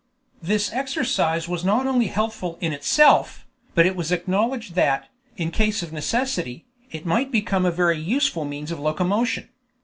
This exercise was not only healthful in itself, but it was acknowledged that, in case of necessity, it might become a very useful means of locomotion.